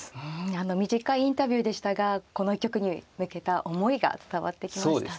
あの短いインタビューでしたがこの一局に向けた思いが伝わってきましたね。